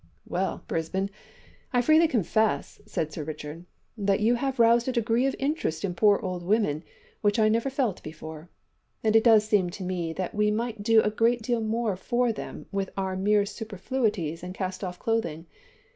"Well, Brisbane, I freely confess," said Sir Richard, "that you have roused a degree of interest in poor old women which I never felt before, and it does seem to me that we might do a good deal more for them with our mere superfluities and cast off clothing.